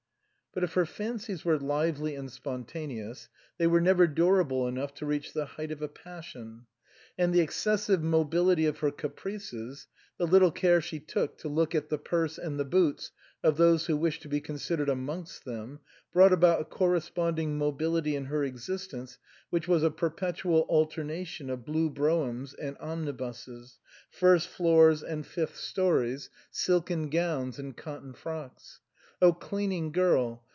But if her fancies were lively and spontaneous, they were never durable enough to reach the height of a passion. And the excessive mobility of her caprices, the little care she took to look at the purse and the boots of those who wished to be considered amongst them, brought about a corresponding mobility in her existence which was a per petual alternation of blue broughams and omnibuses, first floors and fifth stories, silken gowns and cotton frocks. Oh! charming girl!